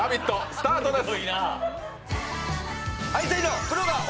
スタートです。